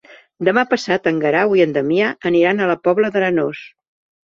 Demà passat en Guerau i en Damià aniran a la Pobla d'Arenós.